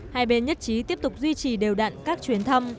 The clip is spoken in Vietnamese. hai bên nhất trí tiếp tục duy trì đều đặn các chuyến thăm